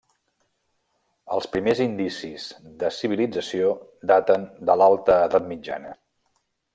Els primers indicis de civilització daten de l'Alta Edat Mitjana.